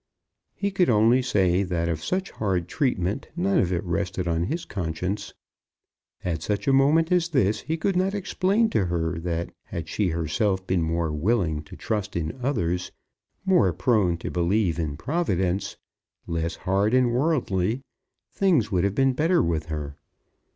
He could only say that of such hard treatment none of it rested on his conscience. At such a moment as this he could not explain to her that had she herself been more willing to trust in others, more prone to believe in Providence, less hard and worldly, things would have been better with her.